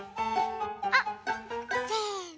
あっせの。